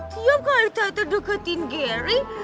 tiap kali tata deketin gary